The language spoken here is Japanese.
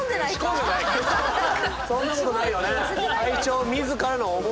そんなことないよねえ？